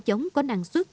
giống có năng suất